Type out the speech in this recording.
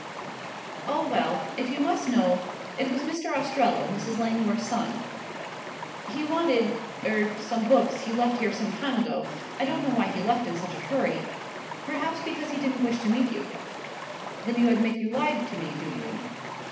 "Oh, well, if you must know, it was Mr. Ostrello, Mrs. Langmore's son. He wanted er some books he left here some time ago. I don't know why he left in such a hurry. Perhaps because he didn't wish to meet you." "Then you admit you lied to me, do you?"